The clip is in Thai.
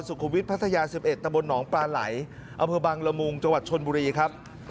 สุขุมวิทย์พัทยา๑๑ตะบนหนองปลาไหลอบังละมุงจชนบุรีครับ